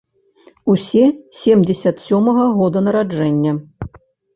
Усе семдзесят сёмага года нараджэння.